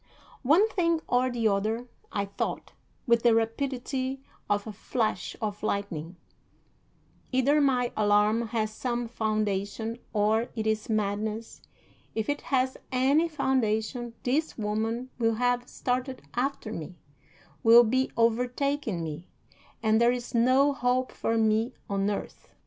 One thing or the other I thought, with the rapidity of a flash of lightning: either my alarm has some foundation or it is madness; if it has any foundation, this woman will have started after me, will be overtaking me, and there is no hope for me on earth.